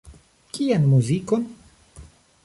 Kian muzikon?